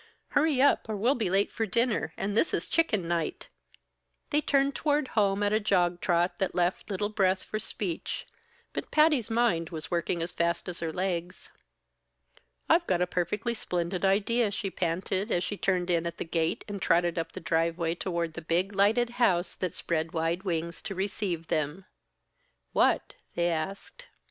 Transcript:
"Hurry up! Or we'll be late for dinner, and this is chicken night." They turned homeward at a jog trot that left little breath for speech; but Patty's mind was working as fast as her legs. "I've got a perfectly splendid idea," she panted as she turned in at the gate and trotted up the driveway toward the big lighted house that spread wide wings to receive them. "What?" they asked.